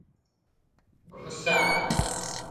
ଘୋଷା ।